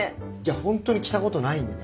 本当に着たことないんでね。